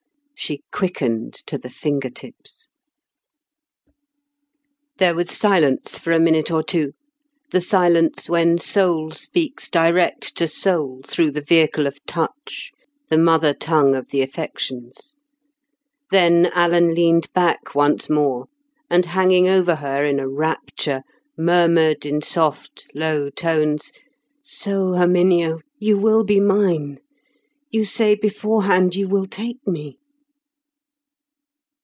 She quickened to the finger tips. There was silence for a minute or two—the silence when soul speaks direct to soul through the vehicle of touch, the mother tongue of the affections. Then Alan leaned back once more, and hanging over her in a rapture murmured in soft low tones, "So, Herminia, you will be mine! You say beforehand you will take me."